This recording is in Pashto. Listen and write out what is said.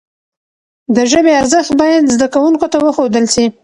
د ژبي ارزښت باید زدهکوونکو ته وښودل سي.